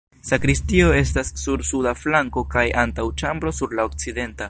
Sakristio estas sur suda flanko kaj antaŭĉambro sur la okcidenta.